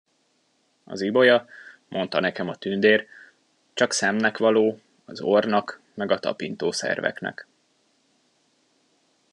Az ibolya, mondta nekem a tündér, csak szemnek való, az orrnak meg a tapintószerveknek.